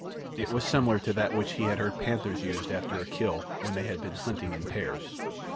It was similar to that which he had heard panthers use after a kill when they had been hunting in pairs.